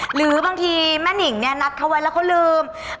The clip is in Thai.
หรือบางทีแม่นิ่งเนี่ยนัดเขาไว้แล้วเขาลืม